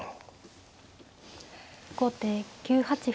後手９八歩。